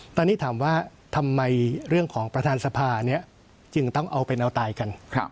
ตอนนี้ถามว่าทำไมเรื่องของประธานสภาจึงต้องเอาเป็นเอาตายกัน